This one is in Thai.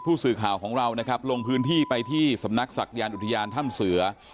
ผู้สื่อข่าวของเรานะครับลงพื้นที่ไปที่สำนักศักยานอุทยานถ้ำเสือ